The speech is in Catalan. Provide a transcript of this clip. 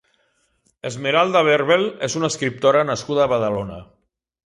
Esmeralda Berbel és una escriptora nascuda a Badalona.